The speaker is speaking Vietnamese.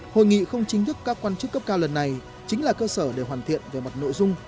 hội nghị không chính thức các quan chức cấp cao lần này chính là cơ sở để hoàn thiện về mặt nội dung